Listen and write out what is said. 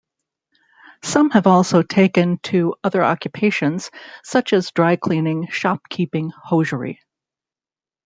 Some have also taken to other occupations such as dry cleaning, shop keeping, hosiery.